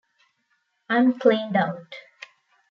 I'm cleaned out.